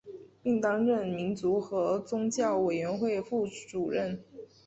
并担任民族和宗教委员会副主任。